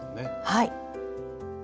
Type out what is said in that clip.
はい。